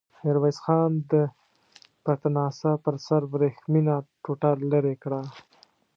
ميرويس خان د پتناسه پر سر ورېښمينه ټوټه ليرې کړه.